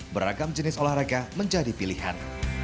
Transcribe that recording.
beragam jenis olahraga menjadi pilihan